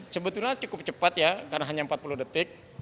sebetulnya cukup cepat ya karena hanya empat puluh detik